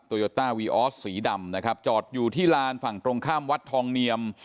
โยต้าวีออสสีดำนะครับจอดอยู่ที่ลานฝั่งตรงข้ามวัดทองเนียม